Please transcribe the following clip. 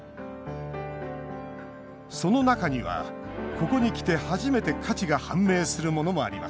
その中には、ここにきて初めて価値が判明するものもあります。